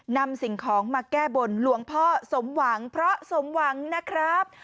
สิ่งของมาแก้บนหลวงพ่อสมหวังเพราะสมหวังนะครับ